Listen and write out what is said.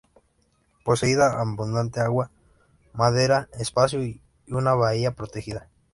Poseía abundante agua, madera, espacio y una bahía protegida.